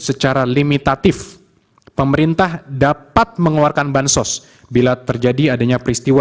secara limitatif pemerintah dapat mengeluarkan bansos bila terjadi adanya peristiwa